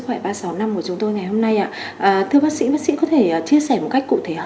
thưa bác sĩ bác sĩ có thể chia sẻ một cách cụ thể hơn là adeno virus có thể gây ra những bệnh gì ạ